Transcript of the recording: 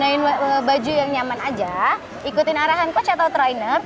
ikuti arahan coach atau trainer